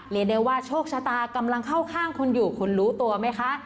เรียกได้ว่าโชคชะตากำลังเข้าข้างคุณอยู่คุณรู้ตัวไหมคะ